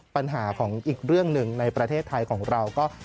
ปัญหาของอีกเรื่องหนึ่งในประเทศไทยของเราก็